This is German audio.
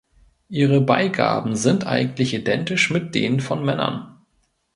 Ihre Beigaben sind eigentlich identisch mit denen von Männern.